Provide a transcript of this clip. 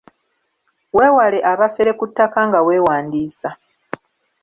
Weewale abafere ku ttaka nga weewandiisa.